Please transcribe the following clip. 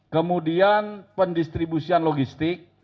kemudian pendistribusian logistik